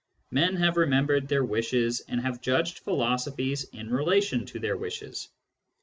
Men have remembered their wishes, and have judged philosophies in relation to their wishes.